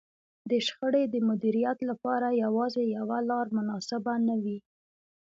د شخړې د مديريت لپاره يوازې يوه لار مناسبه نه وي.